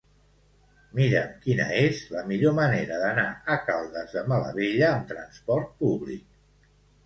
Mira'm quina és la millor manera d'anar a Caldes de Malavella amb trasport públic.